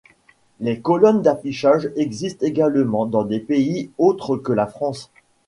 Les colonnes d'affichage existent également dans des pays autres que la France.